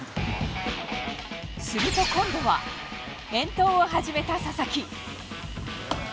すると今度は、遠投を始めた佐々木。